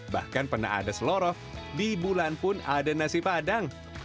bahkan pernah ada selorov di bulan pun ada nasi padang